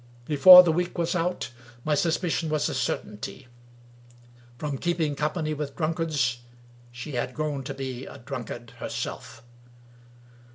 Before the week was out, my suspicion was a certainty. From keeping company with drunkards, she had grown to be a drunkard herself.